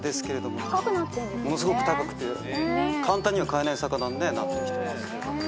ものすごく高くて簡単には買えない魚になってきてますけども。